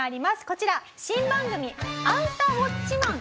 こちら新番組『アンタウォッチマン！』。